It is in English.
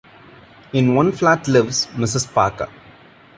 In one flat lives Mrs. Parker.